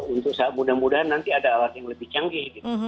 untuk mudah mudahan nanti ada alat yang lebih canggih gitu